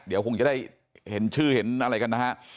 เดี๋ยวคงจะได้เห็นชื่อเห็นอะไรกันนะฮะ